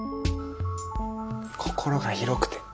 心が広くて。